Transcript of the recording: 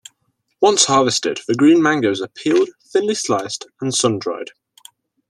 Once harvested, the green mangoes are peeled, thinly sliced, and sun-dried.